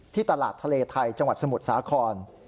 ตลาดทะเลไทยจังหวัดสมุทรสาคร